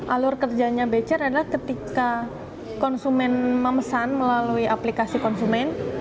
alur kerjanya becer adalah ketika konsumen memesan melalui aplikasi konsumen